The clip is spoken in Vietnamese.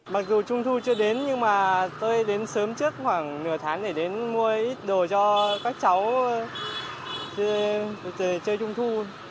mặc dù trung thu chưa đến nhưng mà tôi đến sớm trước khoảng nửa tháng để đến mua ít đồ cho các cháu